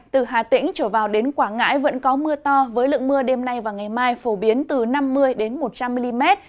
từ hà tĩnh trở vào đến quảng ngãi vẫn có mưa to với lượng mưa đêm nay và ngày mai phổ biến từ năm mươi một trăm linh mm